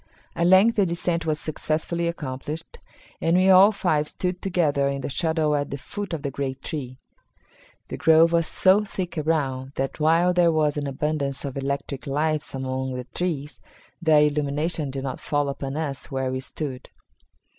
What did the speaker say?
At length the descent was successfully accomplished, and we all five stood together in the shadow at the foot of the great tree. The grove was so thick around that while there was an abundance of electric lights among the trees, their illumination did not fall upon us where we stood.